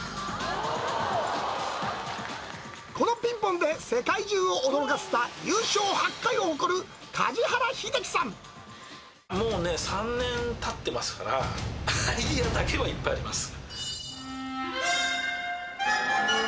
このピンポンで世界中を驚かせた、優勝８回を誇る、もうね、３年たってますから、アイデアだけはいっぱいあります。